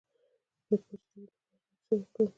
د پوزې د وینې لپاره باید څه وکړم؟